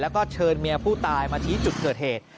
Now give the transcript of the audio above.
แล้วก็เชิญเมียผู้ตายมาชี้จุดเกิดเหตุ